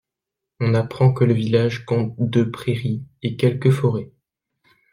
On apprend que le village compte de prairies, et quelques forêts.